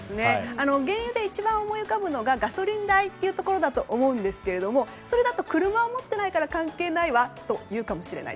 原油で一番思い浮かぶのがガソリン代というところだと思いますがそれだと、車を持っていないから関係ないわというかもしれない。